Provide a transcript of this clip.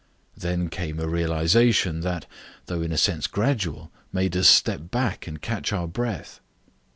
Then came a realization which, though in a sense gradual, made us step back and catch our breath.